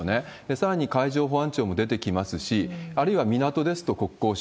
さらに海上保安庁も出てきますし、あるいは港ですと国交省、